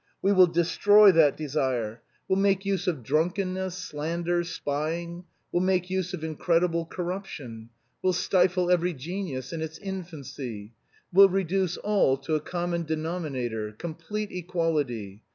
We will destroy that desire; we'll make use of drunkenness, slander, spying; we'll make use of incredible corruption; we'll stifle every genius in its infancy. We'll reduce all to a common denominator! Complete equality!